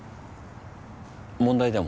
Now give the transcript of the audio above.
問題でも？